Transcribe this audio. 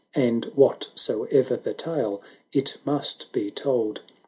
And whatsoe'er the tale, it must be told.